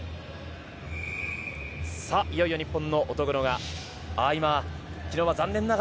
いよいよ日本の乙黒が。